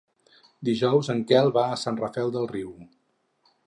Dijous en Quel va a Sant Rafel del Riu.